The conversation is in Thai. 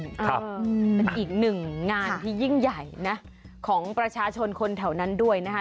เป็นอีกหนึ่งงานที่ยิ่งใหญ่นะของประชาชนคนแถวนั้นด้วยนะคะ